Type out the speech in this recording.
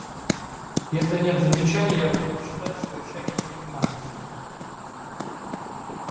Если нет замечаний, я буду считать, что решение принимается.